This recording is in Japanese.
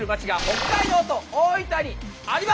北海道と大分。